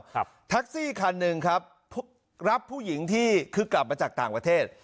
ครับแท็กซี่คันหนึ่งครับรับผู้หญิงที่คือกลับมาจากต่างประเทศ